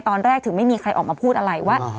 ตอนแรกถึงไม่มีใครออกมาพูดอะไรว่า